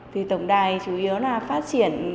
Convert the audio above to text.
thì tổng đài chủ yếu là phát triển